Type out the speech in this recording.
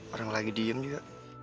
orang lagi diem juga